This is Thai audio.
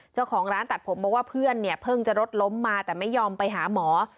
เจ้าของร้านตัดผมบอกว่าเพื่อนเนี่ยเพิ่งจะรถล้มมาแต่ไม่ยอมไปหาหมอ